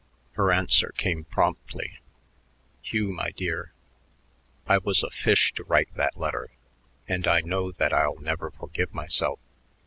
Her answer came promptly: Hugh, my dear I was a fish to write that letter and I know that I'll never forgive myself.